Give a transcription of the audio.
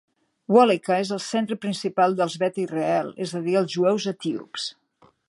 Wolleka és el centre principal dels Beta Israel, és adir, els jueus etíops.